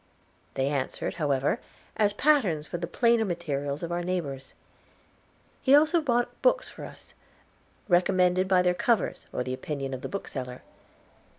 They answered, however, as patterns for the plainer materials of our neighbors. He also bought books for us, recommended by their covers, or the opinion of the bookseller.